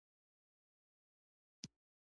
دا هغه ستونزه ده چې افغانستان ځان خلاص کړي.